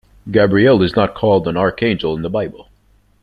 Gabriel is not called an archangel in the Bible.